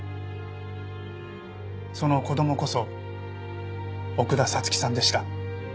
その子供こそ奥田彩月さんでした。